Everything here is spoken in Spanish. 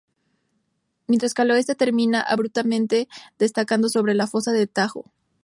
Mientras que al oeste termina abruptamente, destacando sobre la Fosa del Tajo.